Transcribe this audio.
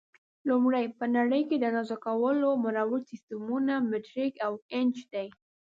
لومړی: په نړۍ کې د اندازه کولو مروج سیسټمونه مټریک او انچ دي.